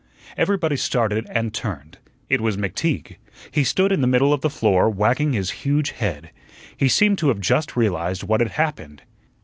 Everybody started and turned. It was McTeague. He stood in the middle of the floor, wagging his huge head. He seemed to have just realized what had happened.